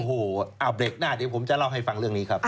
โอ้โหเอาเบรกหน้าเดี๋ยวผมจะเล่าให้ฟังเรื่องนี้ครับ